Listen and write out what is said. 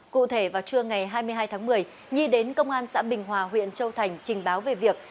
cụ thể vào trưa ngày hai mươi hai tháng một mươi nhi đến công an xã bình hòa huyện châu thành trình báo về việc